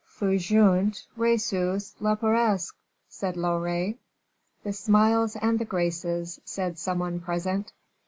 "Fugiunt risus leporesque," said Loret. "The smiles and the graces," said some one present.